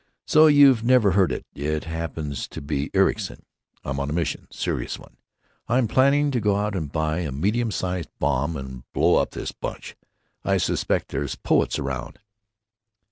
So you've never heard it. It happens to be Ericson.... I'm on a mission. Serious one. I'm planning to go out and buy a medium sized bomb and blow up this bunch. I suspect there's poets around."